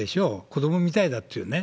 子どもみたいだっていうね。